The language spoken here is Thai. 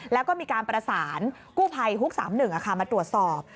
แล้วก็มีการประสานกู้ภัยฮุก๓๑มาตรวจสอบ